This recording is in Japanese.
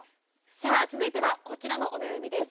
さあ続いてはこちらのお悩みです。